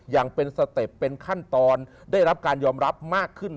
อย่างเป็นสเต็ปเป็นขั้นตอนได้รับการยอมรับมากขึ้น